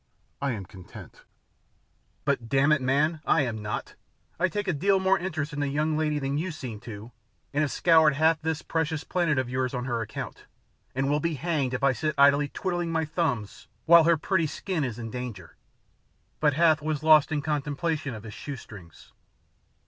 I am content." "But, d it, man, I am not! I take a deal more interest in the young lady than you seem to, and have scoured half this precious planet of yours on her account, and will be hanged if I sit idly twiddling my thumbs while her pretty skin is in danger." But Hath was lost in contemplation of his shoe strings.